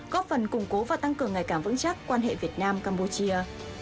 góp phần củng cố và tăng cường ngày càng vững chắc quan hệ việt nam campuchia